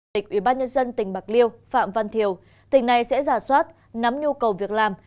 tỉnh ubnd tỉnh bạc liêu phạm văn thiều tỉnh này sẽ giả soát nắm nhu cầu việc làm